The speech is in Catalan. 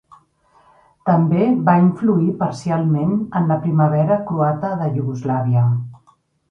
També va influir parcialment en la primavera croata de Iugoslàvia.